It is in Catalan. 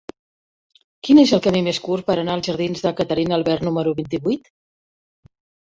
Quin és el camí més curt per anar als jardins de Caterina Albert número vint-i-vuit?